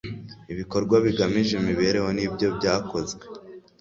ibikorwa bigamije imibereho nibyobyakozwe.